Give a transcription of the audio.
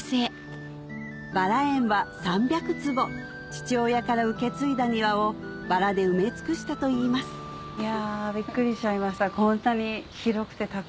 バラ園は３００坪父親から受け継いだ庭をバラで埋め尽くしたといいますびっくりしちゃいました